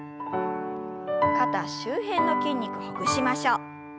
肩周辺の筋肉ほぐしましょう。